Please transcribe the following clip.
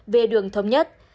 về đường thống nhất